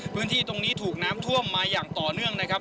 พื้นที่ตรงนี้ถูกน้ำท่วมมาอย่างต่อเนื่องนะครับ